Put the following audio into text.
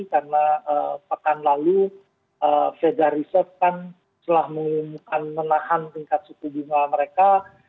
karena pekan lalu fedarise kan setelah mengumumkan menahan tingkat suku jumlah mereka